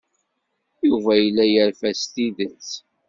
Yuba yella yerfa s tidet.